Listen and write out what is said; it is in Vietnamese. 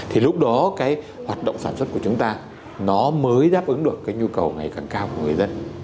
thì lúc đó cái hoạt động sản xuất của chúng ta nó mới đáp ứng được cái nhu cầu ngày càng cao của người dân